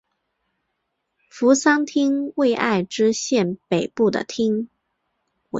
扶桑町为爱知县北部的町。